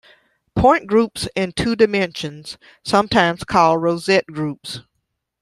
Point groups in two dimensions, sometimes called rosette groups.